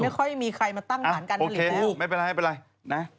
ไม่ค่อยมีใครมาตั้งการการผลิต